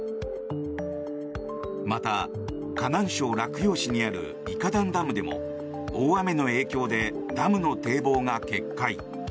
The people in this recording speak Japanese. また、河南省洛陽市にある伊河灘ダムでも大雨の影響でダムの堤防が決壊。